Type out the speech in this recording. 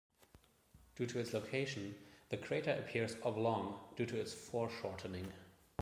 Due to its location, the crater appears oblong due to foreshortening.